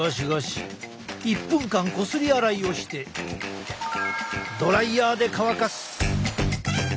１分間こすり洗いをしてドライヤーで乾かす。